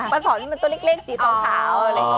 ปลาสอร์สมันตัวเล็กชีดต่อเชา